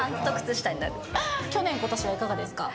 去年、ことしはいかがですか？